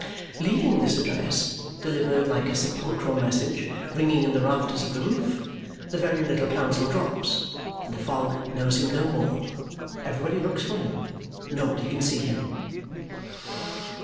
Leaving this address (delivered like a sepulchral message) ringing in the rafters of the roof, the very little counsel drops, and the fog knows him no more. Everybody looks for him. Nobody can see him.